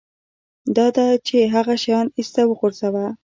دا ده چې هغه شیان ایسته وغورځوه